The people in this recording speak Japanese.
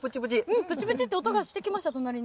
うんプチプチって音がしてきました。